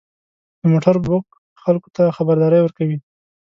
• د موټر بوق خلکو ته خبرداری ورکوي.